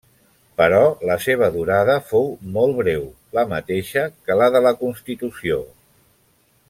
Però la seva durada fou molt breu, la mateixa que la de la Constitució.